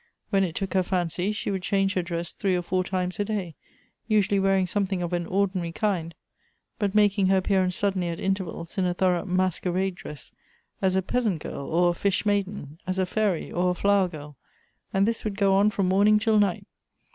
When it took her fancy she would change her dress three or four times a day, usually wear ing something of an ordinary kind, but making her appearance suddenly at intervals in a thorough masquer ade dress, as a peasant girl or a fish maiden, as a fairy or a flower girl; and this would go on from morning till night.